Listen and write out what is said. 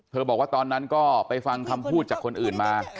บอกว่าตอนนั้นก็ไปฟังคำพูดจากคนอื่นมา